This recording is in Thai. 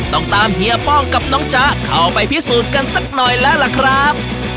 ต้องตามเฮียป้องกับน้องจ๊ะเข้าไปพิสูจน์กันสักหน่อยแล้วล่ะครับ